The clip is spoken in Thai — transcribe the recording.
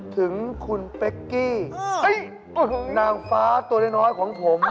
ถึงคุณเป๊กกี้นางฟ้าตัวน้อยของผม